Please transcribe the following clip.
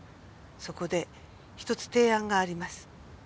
「そこでひとつ提案があります！」